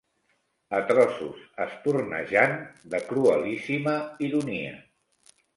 A trossos espurnejant de cruelíssima ironia